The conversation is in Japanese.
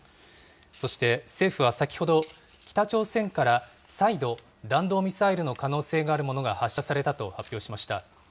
そして、政府は先ほど、北朝鮮から再度、弾道ミサイルの可能性があるものが発射されたと発表しました。